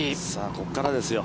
ここからですよ。